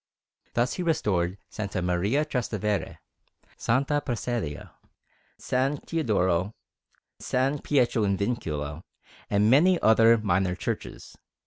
Thus he restored S. Maria Trastevere, S. Prassedia, S. Teodoro, S. Pietro in Vincula, and many other minor churches.